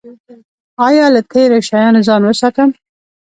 ایا له تیرو شیانو ځان وساتم؟